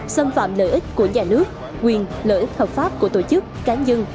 xâm phạm lợi ích của nhà nước quyền lợi ích hợp pháp của tổ chức cán dân